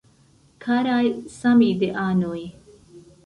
Karaj Samideanoj!